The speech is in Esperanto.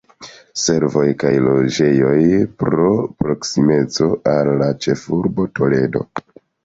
Servoj kaj loĝejoj pro proksimeco al la ĉefurbo Toledo.